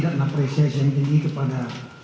dan apresiasi yang tinggi kepada